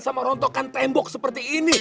sama rontokkan tembok seperti ini